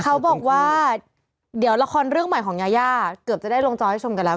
เขาบอกว่าเดี๋ยวละครเรื่องใหม่ของยายาเกือบจะได้ลงจอให้ชมกันแล้ว